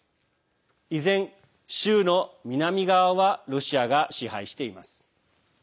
依然、州の南側はロシアが支配しています。